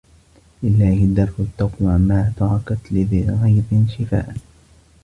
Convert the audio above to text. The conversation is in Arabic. لِلَّهِ دَرُّ التَّقْوَى مَا تَرَكَتْ لِذِي غَيْظٍ شِفَاءً